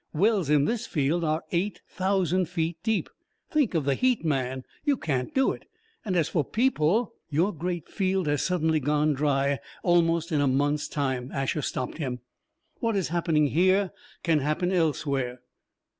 Wells in this field are eight thousand feet deep! Think of the heat, man! You can't do it. And as for people " "Your great field has suddenly gone dry, almost in a month's time," Asher stopped him. "What is happening here can happen elsewhere.